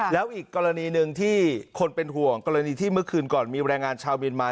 แล้วอีกกรณีหนึ่งที่คนเป็นห่วงกรณีที่เมื่อคืนก่อนมีแรงงานชาวเมียนมา